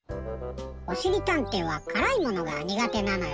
おしりたんていは辛いものがにがてなのよね！